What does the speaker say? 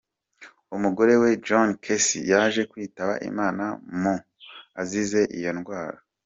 Umugore we John Casey yaje kwitaba Imana mu azize iyo ndwara.